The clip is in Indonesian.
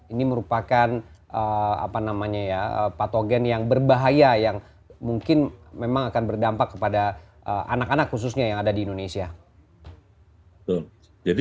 ini merupakan patogen yang berbahaya yang mungkin memang akan berdampak kepada anak anak khususnya yang ada di indonesia